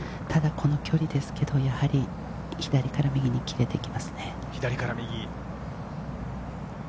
この距離ですけれど、やはり左から右に切れていきますね。